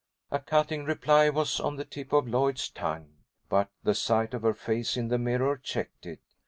A cutting reply was on the tip of Lloyd's tongue, but the sight of her face in the mirror checked it.